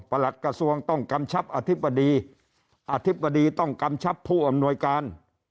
หลัดกระทรวงต้องกำชับอธิบดีอธิบดีต้องกำชับผู้อำนวยการ